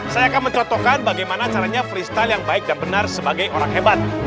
saya akan mencontohkan bagaimana caranya freestyle yang baik dan benar sebagai orang hebat